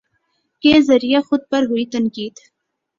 کے ذریعے خود پر ہوئی تنقید